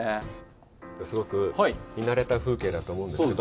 すごく見慣れた風景だと思うんですけど。